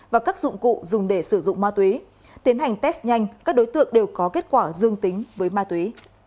và các dụng cụ dùng để sử dụng ma túy tiến hành test nhanh các đối tượng đều có kết quả dương tính với ma túy